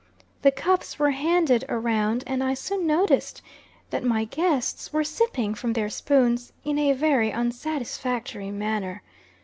The cups were handed around, and I soon noticed that my guests were sipping from their spoons in a very unsatisfactory manner.